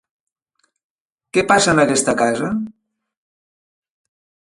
Què passa en aquesta casa?